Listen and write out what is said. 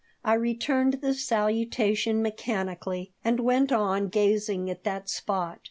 I returned the salutation mechanically and went on gazing at that spot.